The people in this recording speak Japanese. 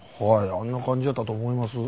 あんな感じやったと思います。